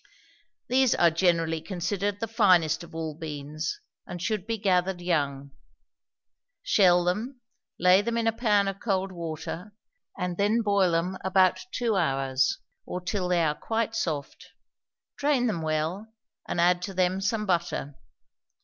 These are generally considered the finest of all beans, and should be gathered young. Shell them, lay them in a pan of cold water, and then boil them about two hours, or till they are quite soft; drain them well, and add to them some butter.